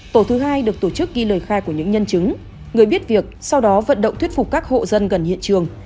tổ thứ hai được tổ chức ghi lời khai của những nhân chứng người biết việc sau đó vận động thuyết phục các hộ dân gần hiện trường